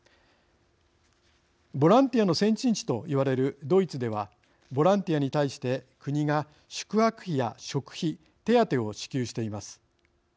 ボランティアの先進地と言われるドイツではボランティアに対して国が宿泊費や食費、手当を支給しています。